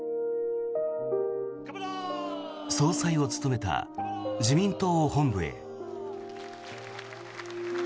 総裁を務めた自民党本部へ。